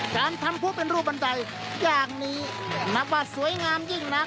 การทำผู้เป็นรูปบันไดอย่างนี้นับว่าสวยงามยิ่งนัก